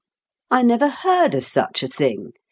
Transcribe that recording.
I never heard of such a thing